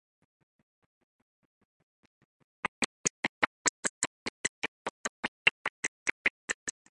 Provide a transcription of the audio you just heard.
I enjoy spending hours listening to his tales and learning from his experiences.